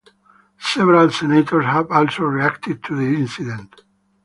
Several senators have also reacted to the incident.